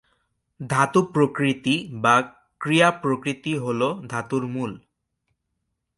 ধাতু-প্রকৃতি বা ক্রিয়া-প্রকৃতি হলো ধাতুর মূল।